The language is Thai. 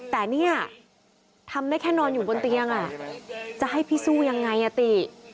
แต่เนี่ยทำได้แค่นอนอยู่บนเตียงจะให้พี่สู้ยังไงอ่ะติ